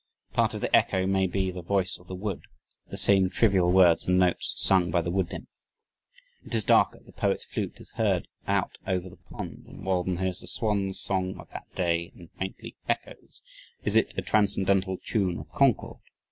... Part of the echo may be "the voice of the wood; the same trivial words and notes sung by the wood nymph." It is darker, the poet's flute is heard out over the pond and Walden hears the swan song of that "Day" and faintly echoes... Is it a transcendental tune of Concord?